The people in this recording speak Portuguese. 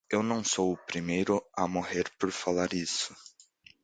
Eu não sou o primeiro a morrer por falar isso.